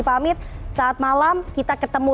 pamit saat malam kita ketemu